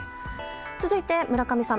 続いて、村上さん。